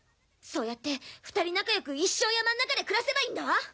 そうやって二人仲良く一生山ん中で暮らせばいいんだわ！